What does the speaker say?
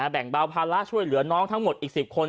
แบ่งเบาภาระช่วยเหลือน้องทั้งหมดอีก๑๐คน